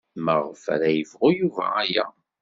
Maɣef ara yebɣu Yuba aya?